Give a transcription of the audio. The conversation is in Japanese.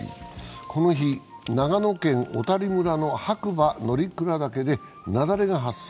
この日、長野県小谷村の白馬乗鞍岳で雪崩が発生。